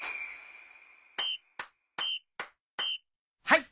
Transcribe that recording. はい！